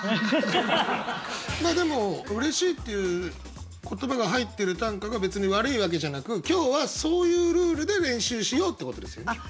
でも「嬉しい」っていう言葉が入ってる短歌が別に悪いわけじゃなく今日はそういうルールで練習しようってことですよね。